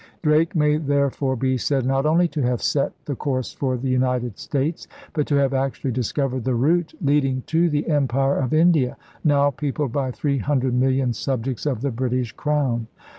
Drake may therefore be said not only to have set the course for the United States but to have actually discovered the route leading to the Empire of India, now peopled by three hundred million subjects of the British Crown.